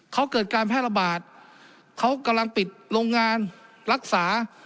เขาเกิดการแพร่ระบาดเขากำลังปิดโรงงานรักษา